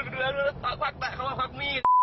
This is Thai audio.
ครับตะเขาแล้วพักมีด